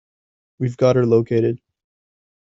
We've got her located.